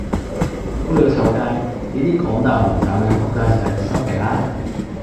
仆你個臭街，你依啲講大話唔眨眼嘅仆街仔，收皮啦